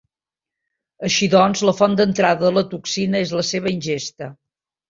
Així doncs la font d'entrada de la toxina és la seva ingesta.